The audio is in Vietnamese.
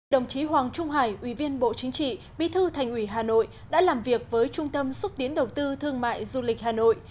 đồng chí hoàng trung hải ủy viên bộ chính trị bí thư thành ủy hà nội đã làm việc với trung tâm xúc tiến đầu tư thương mại du lịch hà nội